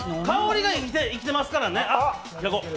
香りが生きてますからね。